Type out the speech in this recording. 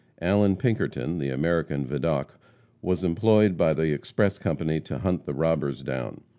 Allan Pinkerton, the American Vidocq, was employed by the express company to hunt the robbers down.